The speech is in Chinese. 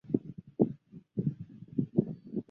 总统选举采用两轮选举制。